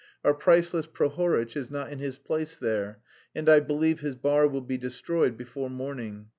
Our priceless Prohoritch is not in his place there, and I believe his bar will be destroyed before morning.